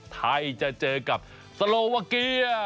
ไทยจะเจอกับสโลวาเกีย